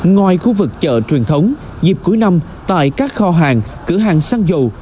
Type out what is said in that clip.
ngoài khu vực chợ truyền thống dịp cuối năm tại các kho hàng cửa hàng xăng dầu